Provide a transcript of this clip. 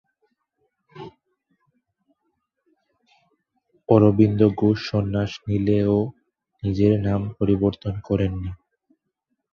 অরবিন্দ ঘোষ সন্ন্যাস নিলেও নিজের নাম পরিবর্তন করেননি।